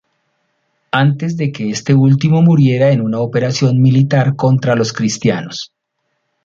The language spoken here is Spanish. Antes de que este último muriera en una operación militar contra los cristianos.